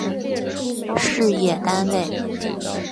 事业单位